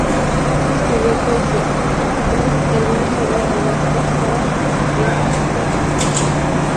Escribió poesías, artículos y algunas obras dramáticas para Eisteddfod.